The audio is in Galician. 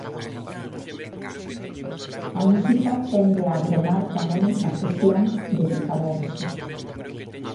A música tende a agromar tamén nas sesións de Picaversos.